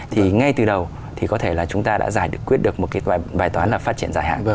thì ngay từ đầu thì có thể là chúng ta đã giải quyết được một cái bài toán là phát triển dài hạn